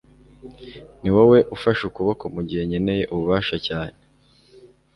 niwowe ufashe ukuboko mugihe nkeneye ubufasha cyane